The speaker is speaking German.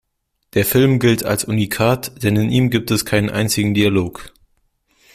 Der Film gilt als Unikat, denn in ihm gibt es keinen einzigen Dialog.